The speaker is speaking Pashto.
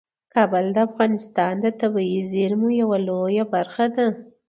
کابل د افغانستان د طبیعي زیرمو یوه لویه برخه ده.